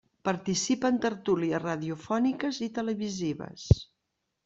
Participa en tertúlies radiofòniques i televisives.